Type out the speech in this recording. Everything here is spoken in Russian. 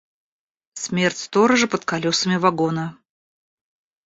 Смерть сторожа под колесами вагона.